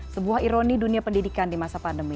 sebuah ironi dunia pendidikan di masa pandemi